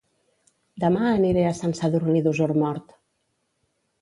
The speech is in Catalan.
Dema aniré a Sant Sadurní d'Osormort